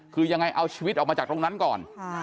คือยังไงเอาชีวิตออกมาจากตรงนั้นก่อน